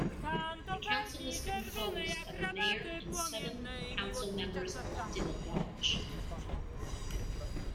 The Council is composed of a Mayor and seven Council Members elected at large.